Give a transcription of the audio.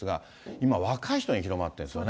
今、若い人に広まっているんですね。